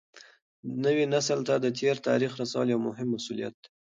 نوي نسل ته د تېر تاریخ رسول یو مهم مسولیت دی.